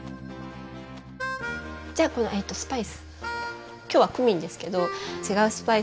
じゃあこのスパイス。